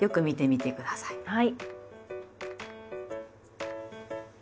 はい。